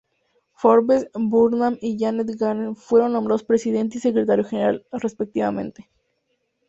Forbes Burnham y Janet Jagan fueron nombrados Presidente y Secretario General, respectivamente.